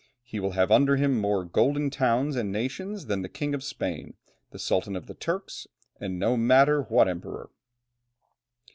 He will have under him more golden towns and nations than the King of Spain, the Sultan of the Turks, and no matter what Emperor!"